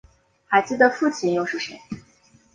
孩子的父亲又是谁？